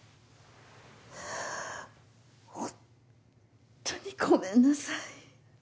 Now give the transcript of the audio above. ほんとにごめんなさい。